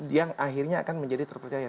yang akhirnya akan menjadi terpercaya